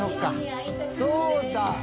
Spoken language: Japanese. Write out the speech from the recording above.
「そうだ」